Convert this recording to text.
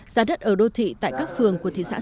giá đất ở đô thị tại các phường của thị xã sơn tây